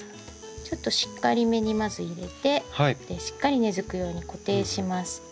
ちょっとしっかりめにまず入れてしっかり根づくように固定します。